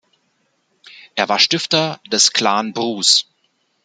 Er war Stifter des Clan Bruce.